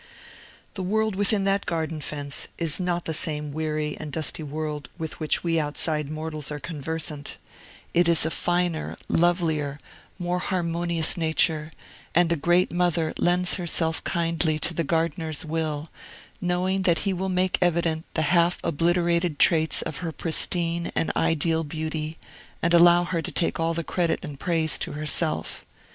The world within that garden fence is not the same weary and dusty world with which we outside mortals are conversant; it is a finer, lovelier, more harmonious Nature; and the Great Mother lends herself kindly to the gardener's will, knowing that he will make evident the half obliterated traits of her pristine and ideal beauty, and allow her to take all the credit and praise to herself.